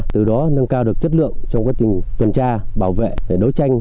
từ đó nâng cao được chất lượng trong quá trình tuần tra bảo vệ đối tranh